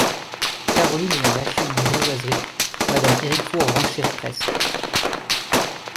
Caroline ayant lâché une grivoiserie, Mme Héricourt renchérit presque.